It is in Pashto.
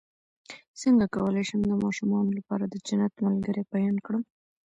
څنګه کولی شم د ماشومانو لپاره د جنت ملګري بیان کړم